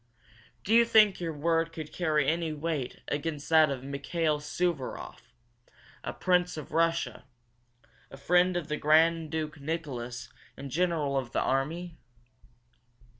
Do you think your word would carry any weight against that of Mikail Suvaroff, a prince of Russia, a friend of the Grand Duke Nicholas and General of the army?"